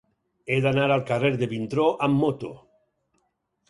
He d'anar al carrer de Vintró amb moto.